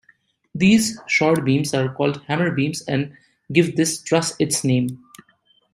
These short beams are called hammer-beams and give this truss its name.